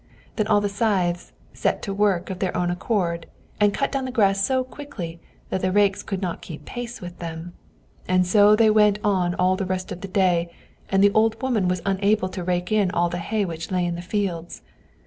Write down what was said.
Then all the scythes set to work of their own accord, and cut down the grass so quickly that the rakes could not keep pace with them. And so they went on all the rest of the day, and the old woman was unable to rake in all the hay which lay in the fields.